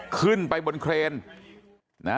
ขึ้นไปบนเครนนะ